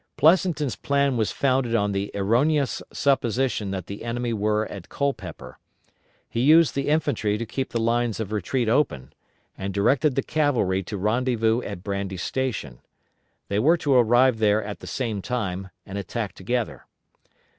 Pleasonton's plan was founded on the erroneous supposition that the enemy were at Culpeper. He used the infantry to keep the lines of retreat open, and directed the cavalry to rendezvous at Brandy Station. They were to arrive there at the same time, and attack together.